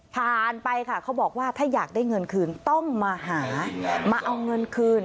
ผ่านไปค่ะเขาบอกว่าถ้าอยากได้เงินคืนต้องมาหามาเอาเงินคืน